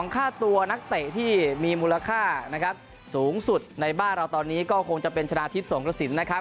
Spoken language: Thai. ค่าตัวนักเตะที่มีมูลค่านะครับสูงสุดในบ้านเราตอนนี้ก็คงจะเป็นชนะทิพย์สงกระสินนะครับ